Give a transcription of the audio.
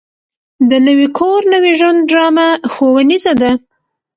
د نوي کور نوي ژوند ډرامه ښوونیزه ده.